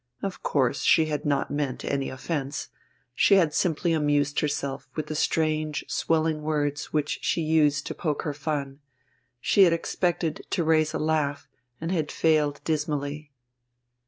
Of course she had not meant any offence, she had simply amused herself with the strange, swelling words which she used to poke her fun; she had expected to raise a laugh, and had failed dismally.